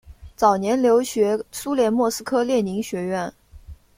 早年留学苏联莫斯科列宁学院。